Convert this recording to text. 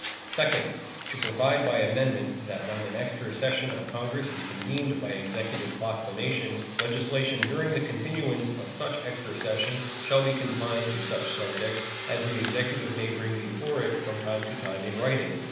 Second. To provide by amendment that when an extra session of Congress is convened by Executive proclamation legislation during the continuance of such extra session shall be confined to such subjects as the Executive may bring before it from time to time in writing.